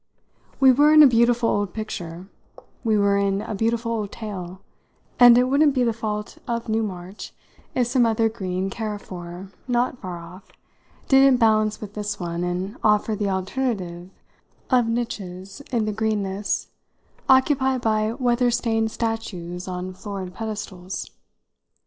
We were in a beautiful old picture, we were in a beautiful old tale, and it wouldn't be the fault of Newmarch if some other green carrefour, not far off, didn't balance with this one and offer the alternative of niches, in the greenness, occupied by weather stained statues on florid pedestals.